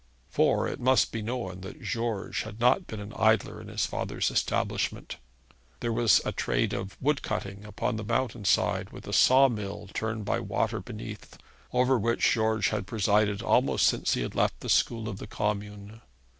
For it must be known that George had not been an idler in his father's establishment. There was a trade of wood cutting upon the mountain side, with a saw mill turned by water beneath, over which George had presided almost since he had left the school of the commune.